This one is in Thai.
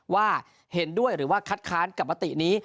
ว่าเห็นด้วยหรือว่าคัดค้านกับมตินี้